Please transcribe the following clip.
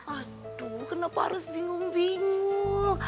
aduh kenapa harus bingung bingung